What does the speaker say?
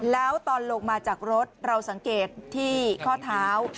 แล้วตอนลงมาจากรถเราสังเกตที่ข้อเท้า